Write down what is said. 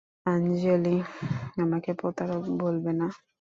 আঞ্জলি আমাকে প্রতারক বলবে না।